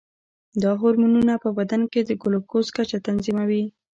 دا هورمونونه په بدن کې د ګلوکوز کچه تنظیموي.